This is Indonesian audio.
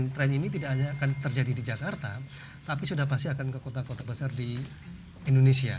tren ini tidak hanya akan terjadi di jakarta tapi sudah pasti akan ke kota kota besar di indonesia